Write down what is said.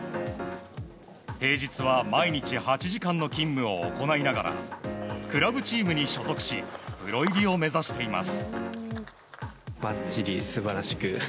平日は毎日８時間の勤務を行いながらクラブチームに所属しプロ入りを目指しています。